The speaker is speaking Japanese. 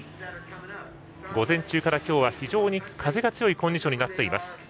午前中から今日は非常に風が強いコンディションになっています